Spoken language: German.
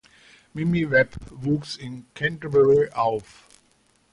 Mimi Webb wuchs in Canterbury auf.